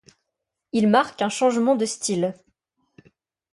Il marque un changement de style.